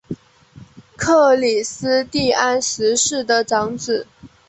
克里斯蒂安十世的长子。